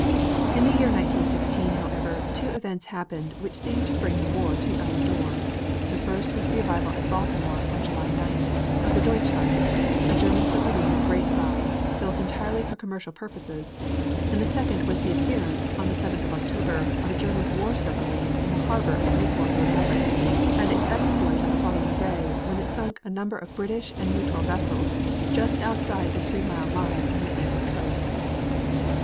In the year 1916, however, two events happened which seemed to bring the war to our door. The first was the arrival at Baltimore, on July 9th, of the Deutschland, a German submarine of great size, built entirely for commercial purposes, and the second was the appearance, on the 7th of October, of a German war submarine in the harbor at Newport, Rhode Island, and its exploit on the following day when it sunk a number of British and neutral vessels just outside the three mile line on the Atlantic coast.